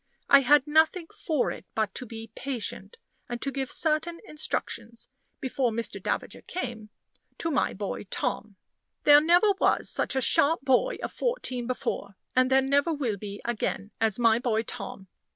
I had nothing for it but to be patient, and to give certain instructions, before Mr. Davager came, to my boy Tom. There never was such a sharp boy of fourteen before, and there never will be again, as my boy Tom.